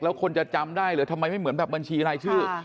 แล้วคนจะจำได้เหรอทำไมไม่เหมือนแบบบัญชีรายชื่อ